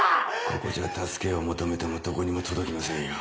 ここじゃ助けを求めてもどこにも届きませんよ。